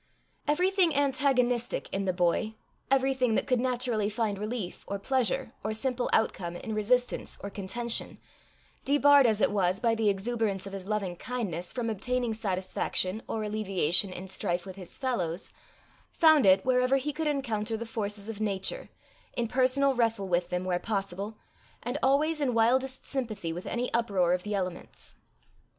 Everything antagonistic in the boy, everything that could naturally find relief, or pleasure, or simple outcome, in resistance or contention, debarred as it was by the exuberance of his loving kindness from obtaining satisfaction or alleviation in strife with his fellows, found it wherever he could encounter the forces of Nature, in personal wrestle with them where possible, and always in wildest sympathy with any uproar of the elements.